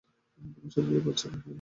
তোমার শরীরে এই বাল-ছাল কীভাবে আসলো?